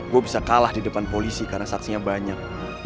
gue bisa kalah di depan polisi karena saksinya banyak